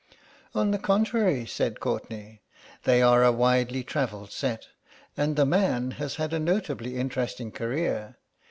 "On the contrary," said Courtenay, "they are a widely travelled set, and the man has had a notably interesting career.